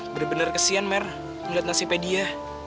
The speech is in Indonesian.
bener bener kesian mer ngeliat nasibnya dia